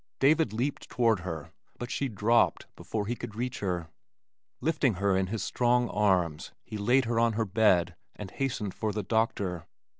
David leaped toward her, but she dropped before he could reach her. Lifting her in his strong arms he laid her on her bed and hastened for the doctor.